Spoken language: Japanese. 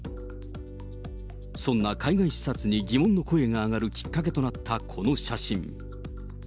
そんな海外視察に疑問の声が上がるきっかけとなったこの写真。